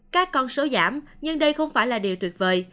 các con số giảm nhưng đây không phải là điều tuyệt vời